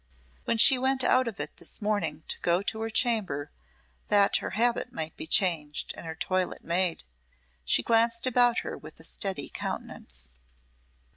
When she went out of it this morning to go to her chamber that her habit might be changed and her toilette made, she glanced about her with a steady countenance.